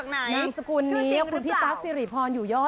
นามสกุลนี้คุณพี่ตั๊กสิริพรอยู่ย่อ